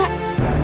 bapak ingat dong